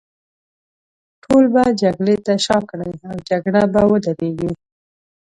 ټول به جګړې ته شا کړي، او جګړه به ودرېږي.